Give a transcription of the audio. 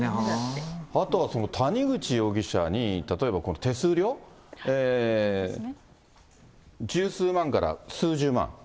あとは谷口容疑者に手数料、十数万円から数十万円。